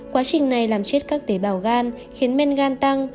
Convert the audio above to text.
quá trình này làm chết các tế bào gan khiến men gan tăng